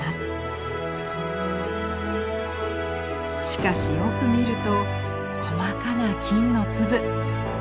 しかしよく見ると細かな金の粒。